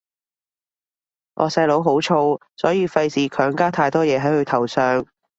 我細佬好燥，所以費事強加太多嘢係佢頭上